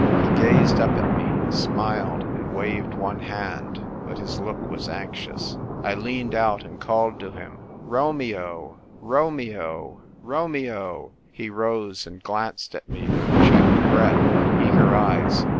He gazed up at me, smiled, and waved one hand ; but his look was anxious. I leaned out and called to him :" Romeo, Romeo, Romeo !" He rose and glanced at me with checked breath and eager eyes.